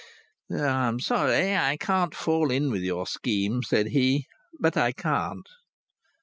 "I'm sorry I can't fall in with your scheme," said he, "but I can't."